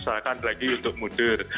masyarakat lagi untuk mudir